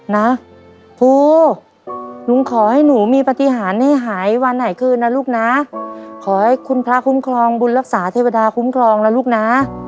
นะภูลุงขอให้หนูมีปฏิหารให้หายวันไหนคืนนะลูกนะขอให้คุณพระคุ้มครองบุญรักษาเทวดาคุ้มครองนะลูกนะ